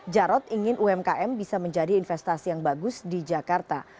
jarod ingin umkm bisa menjadi investasi yang bagus di jakarta